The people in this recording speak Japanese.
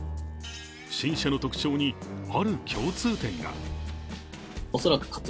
不審者の特徴に、ある共通点が。